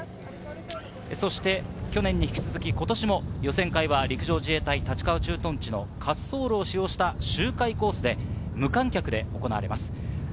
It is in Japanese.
そして去年に引き続き、今年も予選会は陸上自衛隊立川駐屯地の滑走路を使用した周回コースで、無観客で行われます。